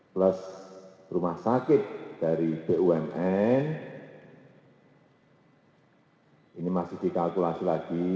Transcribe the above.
plus rumah sakit dari bumn ini masih dikalkulasi lagi